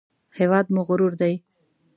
هېواد مو غرور دی